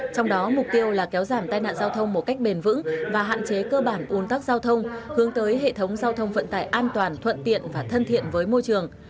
trong đó mục tiêu là kéo giảm tai nạn giao thông một cách bền vững và hạn chế cơ bản un tắc giao thông hướng tới hệ thống giao thông vận tải an toàn thuận tiện và thân thiện với môi trường